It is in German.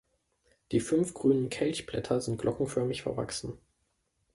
Die fünf grünen Kelchblätter sind glockenförmig verwachsen.